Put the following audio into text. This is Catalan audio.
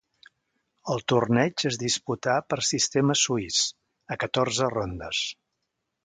El torneig es disputà per sistema suís, a catorze rondes.